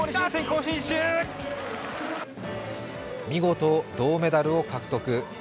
見事、銅メダルを獲得。